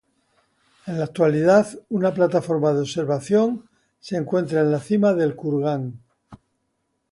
En la actualidad, una plataforma de observación se encuentra en la cima del Kurgán.